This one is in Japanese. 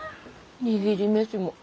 握り飯も。